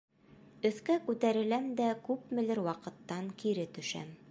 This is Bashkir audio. Өҫкә күтәреләм дә күпмелер ваҡыттан кире төшәм.